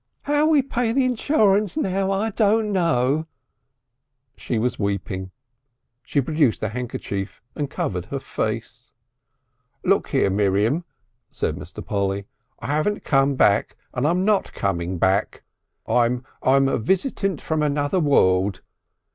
"'Ow we'll pay back the insurance now I don't know." She was weeping. She produced a handkerchief and covered her face. "Look here, Miriam," said Mr. Polly. "I haven't come back and I'm not coming back. I'm I'm a Visitant from Another World.